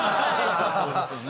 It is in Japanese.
そうですよね。